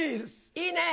いいね。